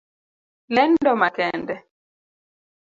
Lendo makende.